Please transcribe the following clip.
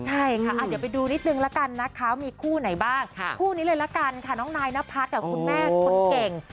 ใช่ค่ะเดี๋ยวไปดูนิดนึงละกันนะคะมีคู่ไหนบ้างคู่นี้เลยละกันค่ะน้องนายนพัฒน์กับคุณแม่คนเก่ง